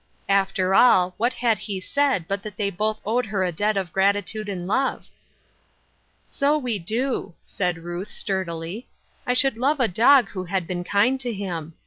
After all, what had he said but that they both owed her a debt of gratitude and love ?" So we do," said Ruth, sturdily. " I should love a dog who had been kind to him."